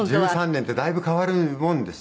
１３年ってだいぶ変わるもんですね。